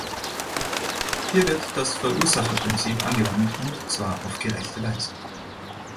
Hier wird das Verursacherprinzip angewandt, und zwar auf gerechte Weise.